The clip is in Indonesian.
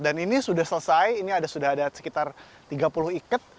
dan ini sudah selesai ini sudah ada sekitar tiga puluh ikat